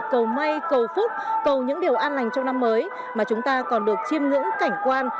cầu may cầu phúc cầu những điều an lành trong năm mới mà chúng ta còn được chiêm ngưỡng cảnh quan